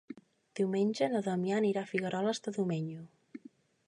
Diumenge na Damià anirà a Figueroles de Domenyo.